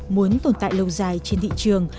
muốn tồn tại lâu dài trên thị trường